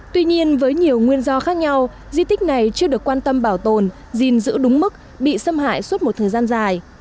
tuy nhiên với nhiều nguyên do khác nhau di tích này chưa được quan tâm bảo tồn gìn giữ đúng mức bị xâm hại suốt một thời gian dài